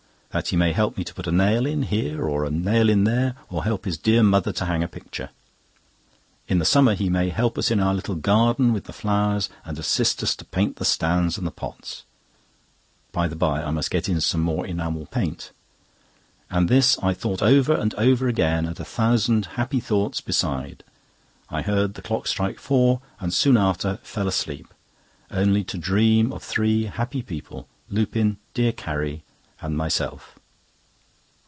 That he may help me to put a nail in here or a nail in there, or help his dear mother to hang a picture. In the summer he may help us in our little garden with the flowers, and assist us to paint the stands and pots. (By the by, I must get in some more enamel paint.) All this I thought over and over again, and a thousand happy thoughts beside. I heard the clock strike four, and soon after fell asleep, only to dream of three happy people—Lupin, dear Carrie, and myself.